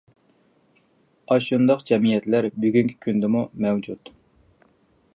ئاشۇنداق جەمئىيەتلەر بۈگۈنكى كۈندىمۇ مەۋجۇت.